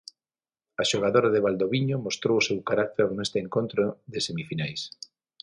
A xogadora de Valdoviño mostrou o seu caracter neste encontro de semifinais.